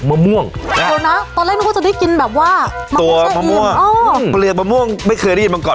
ฮือ